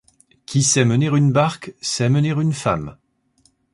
Qui sait mener une barque sait mener une femme.